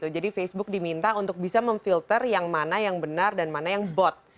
jadi facebook diminta untuk bisa memfilter yang mana yang benar dan mana yang bot